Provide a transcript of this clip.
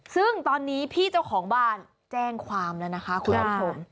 ซึ่งตอนนี้พี่เจ้าของบ้านแจ้งความแล้วนะคะคุณผู้ชม